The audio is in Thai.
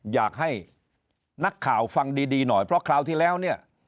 อยากให้นักข่าวฟังดีหน่อยเพราะคราวที่แล้วเนี่ย